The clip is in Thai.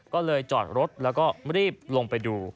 ก็เลยจอดรถแล้วก็รีบลงไปดู